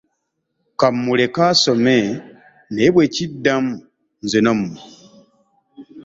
Ka mmuleke asome naye bwe kiddamu nze nammwe.